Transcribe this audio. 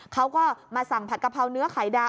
เขาก็มาสั่งผัดกะเพราเนื้อไข่ดาว